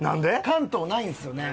関東ないんですよね？